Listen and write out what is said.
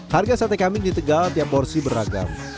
harga sate kambing di tegal tiap porsi beragam